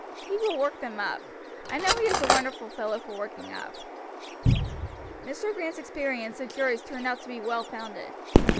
He will work them up. I know he is a wonderful fellow for working up." Mr. Grant's experience of juries turned out to be well founded.